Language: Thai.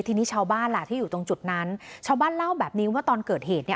ทีนี้ชาวบ้านล่ะที่อยู่ตรงจุดนั้นชาวบ้านเล่าแบบนี้ว่าตอนเกิดเหตุเนี่ย